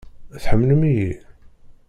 Tḥemmlem-iyi?